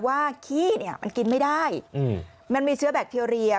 ขี้เนี่ยมันกินไม่ได้มันมีเชื้อแบคทีเรีย